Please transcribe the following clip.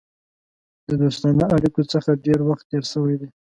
د دوستانه اړېکو څخه ډېر وخت تېر شوی دی.